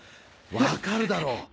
わかるだろ？